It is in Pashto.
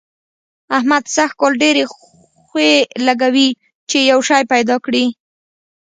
احمد سږ کال ډېرې خوې لګوي چي يو شی پيدا کړي.